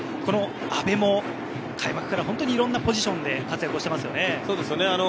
阿部も開幕から本当にいろんなポジションで活躍していますね。